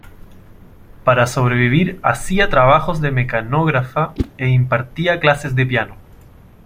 Para sobrevivir hacía trabajos de mecanógrafa e impartía clases de piano.